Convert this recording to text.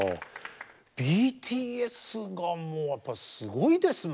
ＢＴＳがもうやっぱりすごいですもんね。